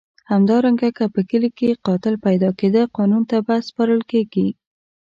همدارنګه که په کلي کې قاتل پیدا کېده قانون ته به سپارل کېد.